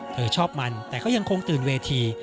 เธอชอบมันแต่ก็ยังคงตื่นเวที